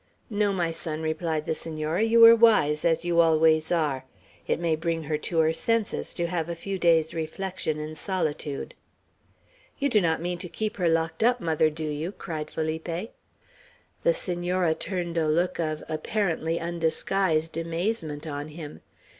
"No, my son," replied the Senora, "you were wise, as you always are. It may bring her to her senses, to have a few days' reflection in solitude." "You do not mean to keep her locked up, mother, do you?" cried Felipe. The Senora turned a look of apparently undisguised amazement on him.